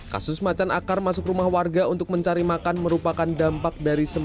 kasus macan akar masuk rumah warga untuk mencari makan merupakan dampak dari sembuh